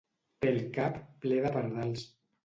Té el cap ple de pardals.